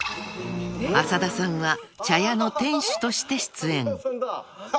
［浅田さんは茶屋の店主として出演！］